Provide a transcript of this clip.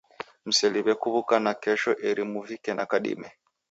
Mseliw'e kuw'uka nakesho eri muvike na kadime.